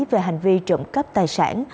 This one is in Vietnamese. các hành vi trộm cắp tài sản